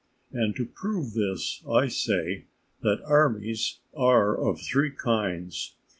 And, to prove this, I say, that armies are of three kinds.